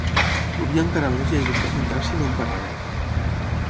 Plovia encara més i he buscat un taxi i no em paraven...